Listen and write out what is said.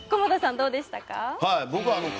どうでしたか？